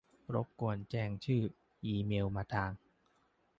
รบกวนแจ้งชื่อ-อีเมลมาทาง